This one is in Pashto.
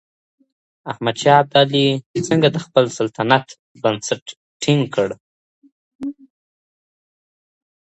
احمد شاه ابدالي څنګه د خپل سلطنت بنسټ ټينګ کړ؟